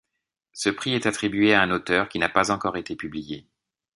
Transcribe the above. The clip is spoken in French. Ce prix est attribué à un auteur qui n'a pas encore été publié.